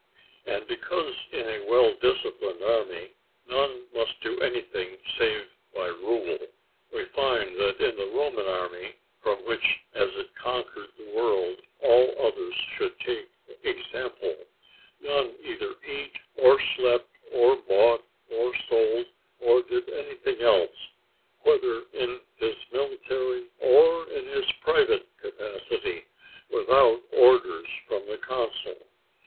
And because in a well disciplined army none must do anything save by rule, we find that in the Roman army, from which as it conquered the world all others should take example, none either eat, or slept, or bought, or sold, or did anything else, whether in his military or in his private capacity, without orders from the consul.